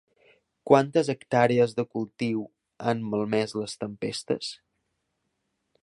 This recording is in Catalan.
Quantes hectàrees de cultius han malmès les tempestes?